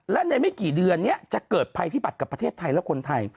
และในไม่กี่เดือนนี้จะเกิดภัยพิบัติกับประเทศไทยและคนไทย